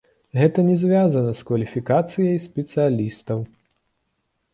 Гэта не звязана з кваліфікацыяй спецыялістаў.